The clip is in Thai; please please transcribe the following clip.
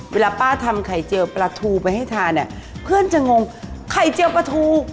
เวลาป้าทำไข่เจียวปลาทูไปให้ทานเนี่ยเพื่อนจะงงไข่เจียวปลาทู